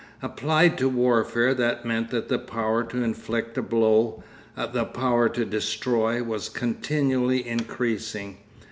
Applied to warfare that meant that the power to inflict a blow, the power to destroy, was continually increasing.